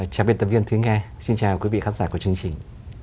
chào biên tập viên thứ nghe xin chào quý vị khán giả của chương trình